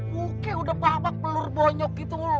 bukit udah pamak pelur bonyok gitu